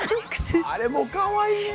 あれもうかわいいね！